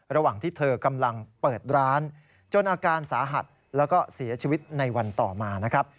ระหว่างที่เธอกำลังเปิดร้านจนอาการสาหัสแล้วก็เสียชีวิตในวันต่อมานะครับ